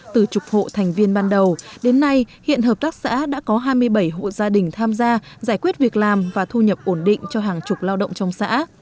từ chục hộ thành viên ban đầu đến nay hiện hợp tác xã đã có hai mươi bảy hộ gia đình tham gia giải quyết việc làm và thu nhập ổn định cho hàng chục lao động trong xã